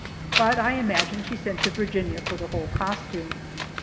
But I imagine she sent to Virginia for the whole costume.